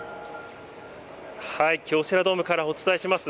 京セラドームからお伝えします。